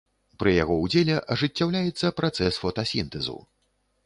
Пры яго ўдзеле ажыццяўляецца працэс фотасінтэзу.